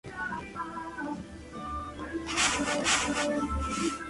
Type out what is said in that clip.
Su equipamiento es bastante similar al de Terra.